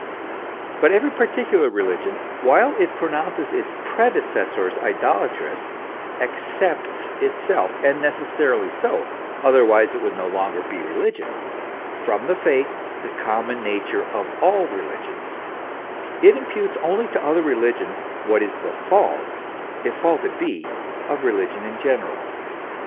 But every particular religion, while it pronounces its predecessors idolatrous, excepts itself and necessarily so, otherwise it would no longer be religion from the fate, the common nature of all religions : it imputes only to other religions what is the fault, if fault it be, of religion in general.